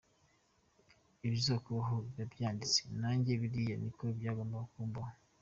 Ibizakubaho biba byanditse, nanjye biriya niko byagombaga kumbaho.